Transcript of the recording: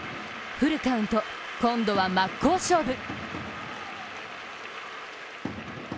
フルカウント、今度は真っ向勝負。